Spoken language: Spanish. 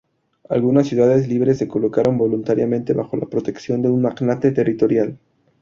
Algunas ciudades libres se colocaron voluntariamente bajo la protección de un magnate territorial.